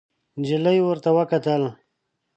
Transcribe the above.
نجلۍ ورته وکتل.